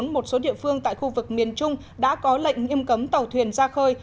một số địa phương tại khu vực miền trung đã có lệnh nghiêm cấm tàu thuyền ra khơi